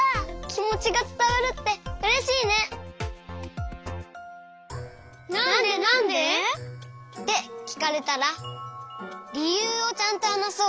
きもちがつたわるってうれしいね！ってきかれたらりゆうをちゃんとはなそう。